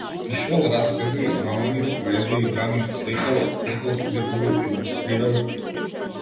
Пишувал раскази, романи, поезија и драми, сликал, цртал стрипови, илустрирал.